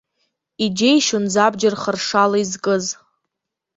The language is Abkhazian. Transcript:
Иџьеишьон забџьар харшала изкыз.